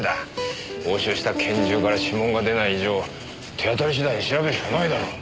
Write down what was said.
押収した拳銃から指紋が出ない以上手当たり次第調べるしかないだろ。